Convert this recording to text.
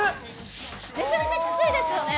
めちゃめちゃきついですよね！